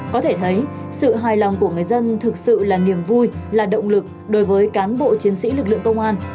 có thể thấy sự hài lòng của người dân thực sự là niềm vui là động lực đối với cán bộ chiến sĩ lực lượng công an